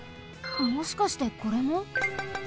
もしかしてこれも？